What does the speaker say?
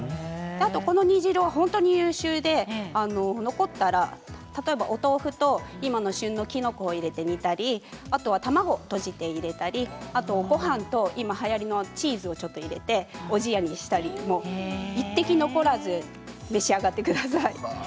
あと、この煮汁が本当に優秀で残ったら例えばお豆腐と今の旬のきのこを入れて煮たりあとは卵をとじて入れたりごはんと今はやりのチーズをちょっと入れておじやにしたり一滴残らず召し上がってください。